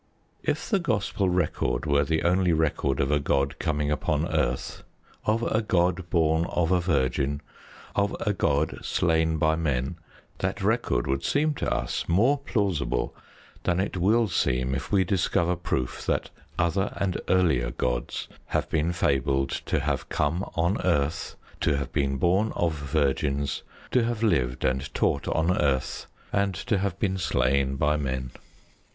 If the Gospel record were the only record of a god coming upon earth, of a god born of a virgin, of a god slain by men, that record would seem to us more plausible than it will seem if we discover proof that other and earlier gods have been fabled to have come on earth, to have been born of virgins, to have lived and taught on earth, and to have been slain by men.